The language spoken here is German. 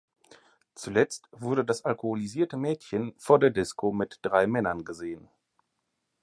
Zuletzt wurde das alkoholisierte Mädchen vor der Disco mit drei Männern gesehen.